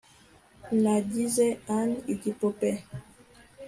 nagize ann igipupe